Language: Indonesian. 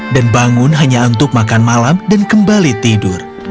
dan bangun hanya untuk makan malam dan kembali tidur